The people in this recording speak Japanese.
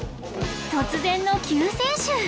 突然の救世主！